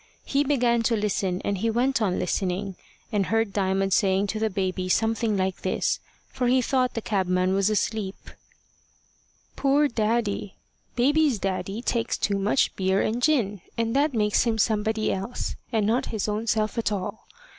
He began to listen and he went on listening, and heard Diamond saying to the baby something like this, for he thought the cabman was asleep: "Poor daddy! Baby's daddy takes too much beer and gin, and that makes him somebody else, and not his own self at all.